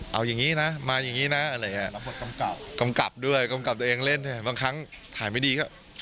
เอาอย่างนี้นะมาอย่างนี้นะอะไรอย่างนี้